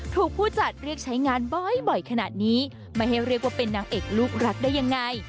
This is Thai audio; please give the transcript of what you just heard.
ผู้จัดเรียกใช้งานบ่อยขนาดนี้ไม่ให้เรียกว่าเป็นนางเอกลูกรักได้ยังไง